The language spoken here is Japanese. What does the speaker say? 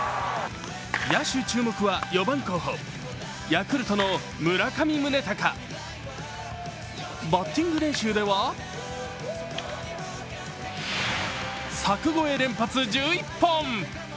野手注目は４番候補、ヤクルトの村上宗隆。バッティング練習では柵越え連発１１本。